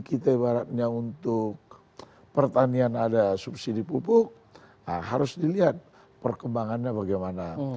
kita ibaratnya untuk pertanian ada subsidi pupuk harus dilihat perkembangannya bagaimana